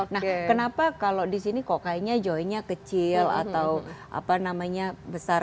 nah kenapa kalau di sini kok kayaknya joinnya kecil atau apa namanya besar